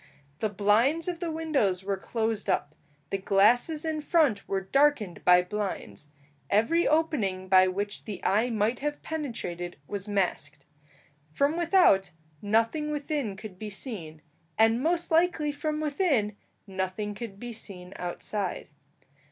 The blinds of the windows were closed up. The glasses in front were darkened by blinds; every opening by which the eye might have penetrated was masked. From without, nothing within could be seen, and most likely from within, nothing could be seen outside.